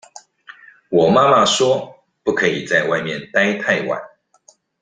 我媽媽說不可以在外面待太晚